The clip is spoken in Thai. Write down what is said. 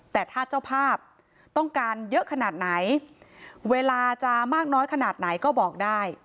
แต่ถ้าเจ้าภาพต้องการเยอะขนาดไหนเวลาจะมากน้อยขนาดไหนก็บอกได้